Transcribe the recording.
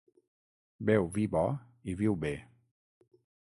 Beu vi bo i viu bé.